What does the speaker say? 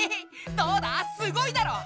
どうだすごいだろう！